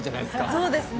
そうですね。